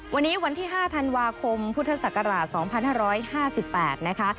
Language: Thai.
วันนี้วันที่๕ธันวาคมพุทธศักราช๒๕๕๘นะคะ